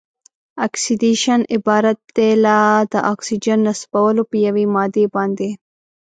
اکسیدیشن عبارت دی له د اکسیجن نصبول په یوې مادې باندې.